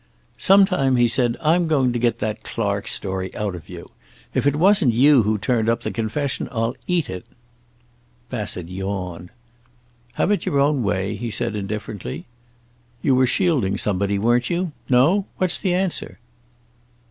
"Sometime," he said, "I'm going to get that Clark story out of you. If it wasn't you who turned up the confession, I'll eat it." Bassett yawned. "Have it your own way," he said indifferently. "You were shielding somebody, weren't you? No? What's the answer?"